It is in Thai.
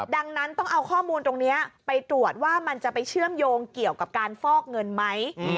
ดังนั้นต้องเอาข้อมูลตรงนี้ไปตรวจว่ามันจะไปเชื่อมโยงเกี่ยวกับการฟอกเงินไหม